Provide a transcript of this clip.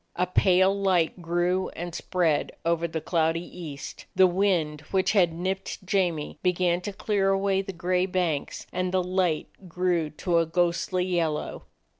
A pale light grew and spread over the cloudy east, the wind which had nipped J amie began to clear away the gray banks, and the light grew to a ghostly yellow.